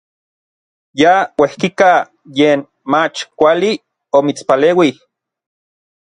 Ya uejkika yen mach kuali omitspaleuij.